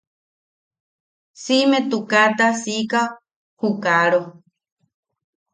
Siʼime tukaata siika ju kaaro.